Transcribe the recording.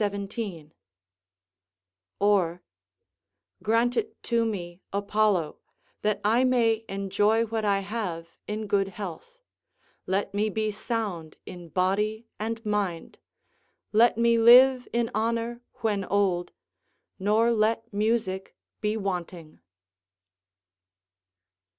] Or: ["Grant it to me, Apollo, that I may enjoy what I have in good health; let me be sound in body and mind; let me live in honour when old, nor let music be wanting."